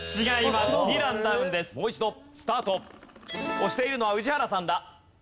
押しているのは宇治原さんだ。